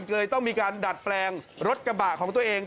เลยต้องมีการดัดแปลงรถกระบะของตัวเอง